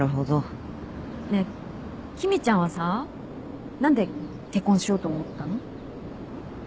ねえ君ちゃんはさ何で結婚しようと思ったの？